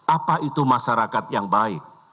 apa itu masyarakat yang baik